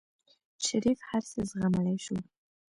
شريف هر څه زغملی شو.